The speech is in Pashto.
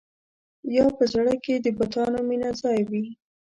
یا په زړه کې د بتانو مینه ځای وي.